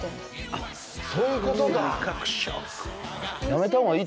あっそういうことか。